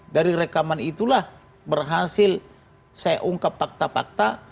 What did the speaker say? dari rekaman itulah berhasil saya ungkap fakta fakta